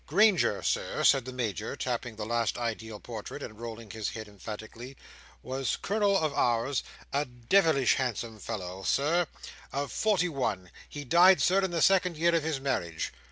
"Granger, Sir," said the Major, tapping the last ideal portrait, and rolling his head emphatically, "was Colonel of Ours; a de vilish handsome fellow, Sir, of forty one. He died, Sir, in the second year of his marriage."